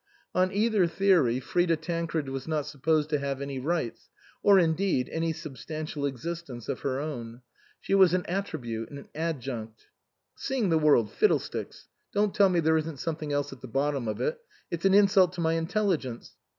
On either theory Frida Tancred was not supposed to have any rights, or, indeed, any substantial existence of her own; she was an attribute, an adjunct. " Seeing the world fiddlesticks ! Don't tell me there isn't something else at the bottom of it it's an insult to my intelligence."